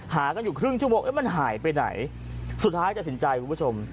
หากันอยู่ครึ่งชั่วโมงเอ๊ะมันหายไปไหนสุดท้ายตัดสินใจคุณผู้ชม